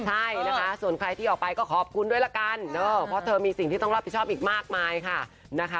ใช่นะคะส่วนใครที่ออกไปก็ขอบคุณด้วยละกันเพราะเธอมีสิ่งที่ต้องรับผิดชอบอีกมากมายค่ะนะคะ